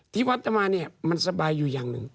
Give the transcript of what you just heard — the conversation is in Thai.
ที่วัดจะมาเนี่ยมันสบายอยู่อย่างหนึ่ง